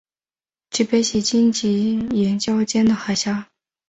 其北起荆棘岩礁间的海峡。